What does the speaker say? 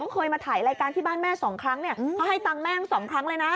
เคยมาถ่ายรายการที่บ้านแม่สองครั้งเนี่ยเขาให้ตังค์แม่ทั้งสองครั้งเลยนะ